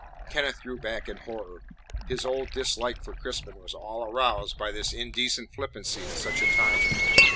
Kenneth drew back in horror. His old dislike for Crispin was all aroused by this indecent flippancy at such a time.